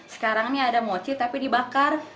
sekarang ini ada mochi tapi dibakar